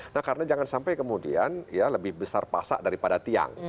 nah karena jangan sampai kemudian ya lebih besar pasak daripada tiang